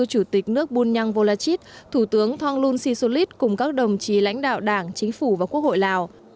chủ tịch nước bunyang volachit thủ tướng thonglun sisulit cùng các đồng chí lãnh đạo đảng chính phủ và quốc hội lào